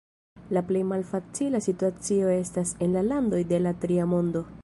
La plej malfacila situacio estas en la landoj de la Tria Mondo.